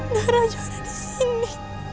darah juga ada disini